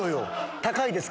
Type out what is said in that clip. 高いですか？